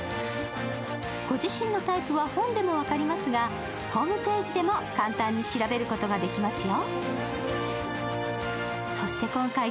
ご自身のタイプは本でも分かりますがホームページでも簡単に調べることができますよ。